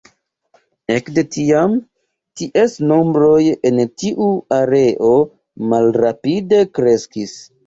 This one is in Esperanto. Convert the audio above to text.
Ekde tiam, ties nombroj en tiu areo malrapide kreskis.